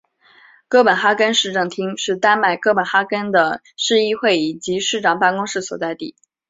哥本哈根市政厅是丹麦哥本哈根的市议会以及市长办公室所在地。